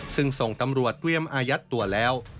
ซึ่งส่งตำรวจเตรียมอายัดตัวแล้ว